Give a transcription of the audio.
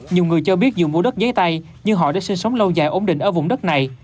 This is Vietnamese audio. nhiều người cho biết dù mua đất giấy tay nhưng họ đã sinh sống lâu dài ổn định ở vùng đất này